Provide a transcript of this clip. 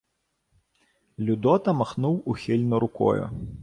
Людота махнув ухильно рукою.